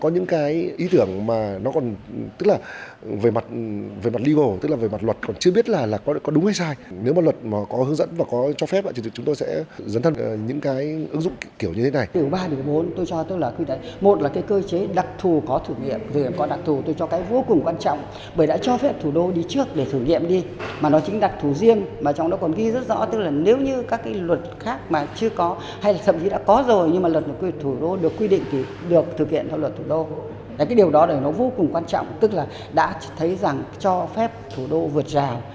nếu mà luật có hướng dẫn và có cho phép thì chúng tôi sẽ dẫn thân những cái ứng dụng kiểu như thế này